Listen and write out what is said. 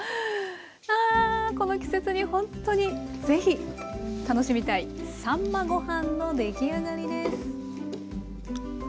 あこの季節にほんとにぜひ楽しみたいさんまご飯の出来上がりです。